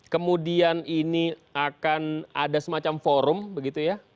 kemudian ini akan ada semacam forum begitu ya